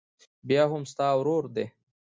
بيا هم ستا ورور دى.